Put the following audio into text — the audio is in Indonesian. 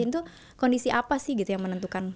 itu kondisi apa sih gitu yang menentukan